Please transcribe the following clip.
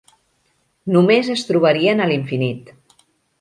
Només es trobarien a l'infinit.